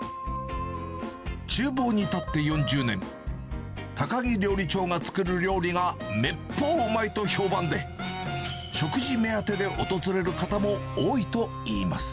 ちゅう房に立って４０年、高木料理長が作る料理がめっぽううまいと評判で、食事目当てで訪れる方も多いといいます。